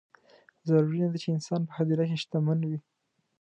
ضروري نه ده چې انسان په هدیره کې شتمن وي.